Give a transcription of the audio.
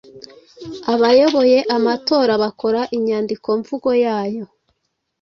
abayoboye amatora bakora inyandikomvugo yayo